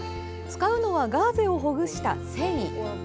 使うのはガーゼをほぐした繊維。